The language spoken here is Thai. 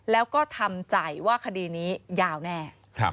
แล้วก็ทำใจว่าคดีนี้ยาวแน่